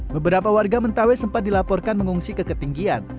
beberapa warga mentawai sempat dilaporkan mengungsi keketinggian